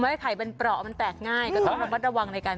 คุมไข่เป็นปล่อมันแตกง่ายก็ต้องระวังในการ